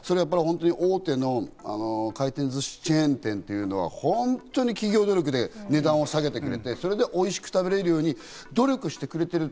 大手の回転寿司チェーン店というのは本当に企業努力で値段を下げてくれて、それでおいしく食べられるように努力してくれている。